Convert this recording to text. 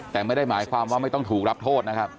แต่ไม่ได้หมายความว่าไม่ต้องถูกรับโทษนะครับ